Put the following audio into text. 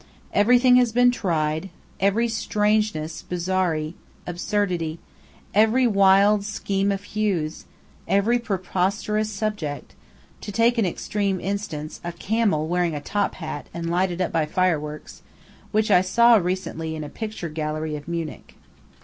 Everything has been tried, every strangeness bizarrerie, absurdity, every wild scheme of hues, every preposterous subject to take an extreme instance, a camel, wearing a top hat, and lighted up by fire works, which I saw recently in a picture gallery of Munich.